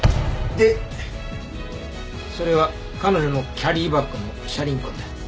でそれは彼女のキャリーバッグの車輪痕だ。